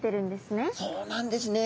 そうなんですね。